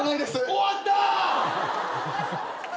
終わった！